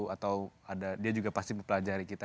atau dia juga pasti bepelajari kita